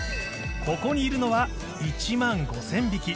ここにいるのは１万５０００匹。